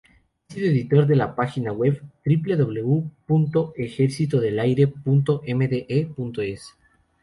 Ha sido editor de la web www.ejercitodelaire.mde.es.